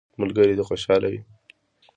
ملګري دي خوشحاله وي.